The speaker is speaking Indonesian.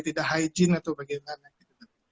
tidak hygiene atau bagaimana gitu